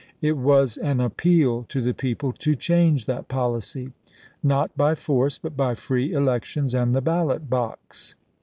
It was an appeal to the people to change that policy, not by force, but by free elections and the ballot box.